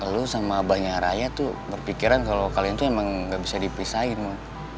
lo sama abangnya raya tuh berpikiran kalo kalian tuh emang gak bisa dipisahin mon